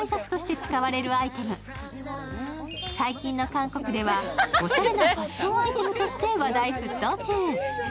最近の韓国ではおしゃれなファッションアイテムとして話題沸騰中。